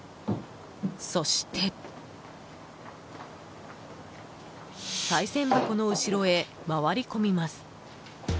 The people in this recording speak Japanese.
そして、さい銭箱の後ろへ回り込みます。